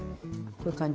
こういう感じ。